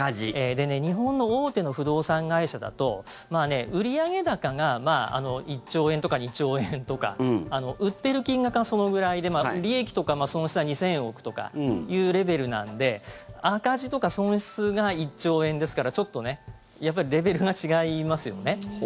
日本の大手の不動産会社だと売上高が１兆円とか２兆円とか売ってる金額がそれぐらいで利益とか損失は２０００億というくらいですので赤字とか損失が１兆円ですからやっぱりレベルが違いますよね。